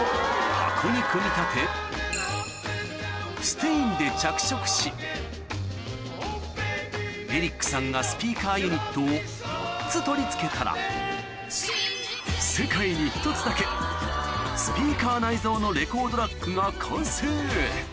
箱に組み立てステインで着色しエリックさんがスピーカーユニットを４つ取り付けたら世界に１つだけスピーカー内蔵のレコードラックが完成